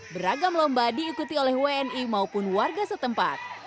beragam lomba diikuti oleh wni maupun warga setempat